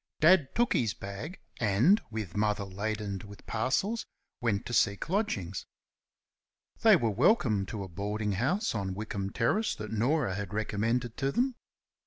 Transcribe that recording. Dad took his bag, and, with Mother laden with parcels, went to seek lodgings. They were welcomed to a boarding house on Wickham Terrace that Norah had recommended to them.